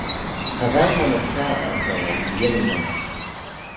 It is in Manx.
Cha vel monney traa er ve aym dy yannoo monney.